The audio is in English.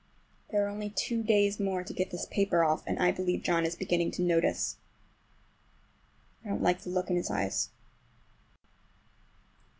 There are only two more days to get this paper off, and I believe John is beginning to notice. I don't like the look in his eyes.